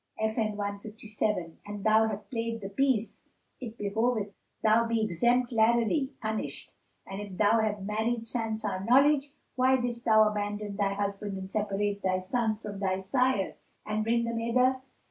[FN#157] An thou have played the piece, it behoveth thou be exemplarily punished; and if thou have married sans our knowledge, why didst thou abandon thy husband and separate thy sons from thy sire and bring them hither?"